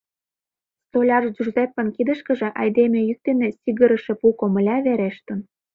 Столяр Джузеппен кидышкыже айдеме йӱк дене сигырыше пу комыля верештын.